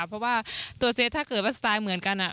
เพราะว่าตัวเซตถ้าเกิดว่าสไตล์เหมือนกัน